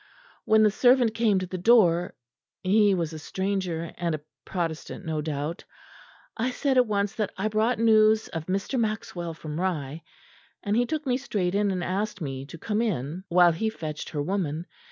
When the servant came to the door he was a stranger, and a Protestant no doubt I said at once that I brought news of Mr. Maxwell from Rye; and he took me straight in and asked me to come in while he fetched her woman.